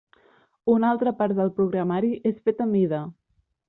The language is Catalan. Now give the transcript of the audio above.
Una altra part del programari és fet a mida.